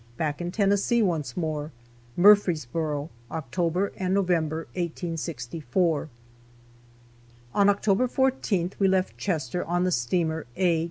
BACK IN TENNESSEE ONCE MORE. MURFREESBORO. OCTOBER AND NOVEMBER, 1864. On October 14th we left Chester on the steamer "A.